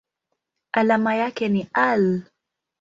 Alama yake ni Al.